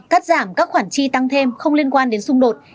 cắt giảm các khoản chi tăng thêm không liên quan đến xung đột